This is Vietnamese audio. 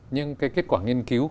nhưng cái kết quả nghiên cứu